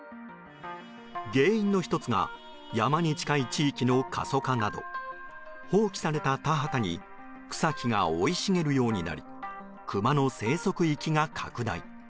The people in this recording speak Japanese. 原因の１つが山に近い地域の過疎化など放棄された田畑に草木が生い茂るようになりクマの生息域が拡大。